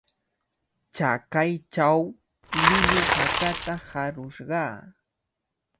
Chakaychaw llullu hakata harushqa